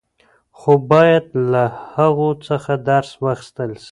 خو باید له هغو څخه درس واخیستل سي.